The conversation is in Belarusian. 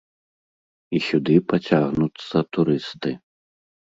І сюды пацягнуцца турысты.